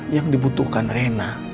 yang dibutuhkan rena